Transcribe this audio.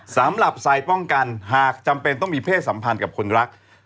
สำหรับไซด์ป้องกันหากจำเป็นต้องมีเพศสัมพันธ์กับคนรัก